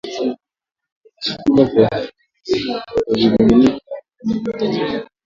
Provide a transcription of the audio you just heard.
vipimo vya vimiminika vinavyohitajika